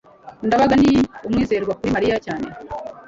ndabaga ni umwizerwa kuri mariya cyane